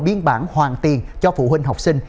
biên bản hoàng tiền cho phụ huynh học sinh